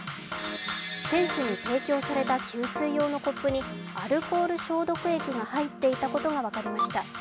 選手に提供された給水用のコップにアルコール消毒液が入っていたことが分かりました。